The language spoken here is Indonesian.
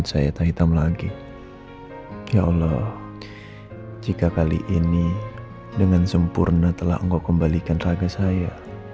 selamat datang kembali ya